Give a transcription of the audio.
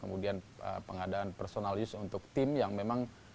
kemudian pengadaan personal use untuk tim yang memang